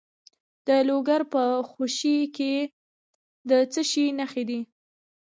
د لوګر په خوشي کې د څه شي نښې دي؟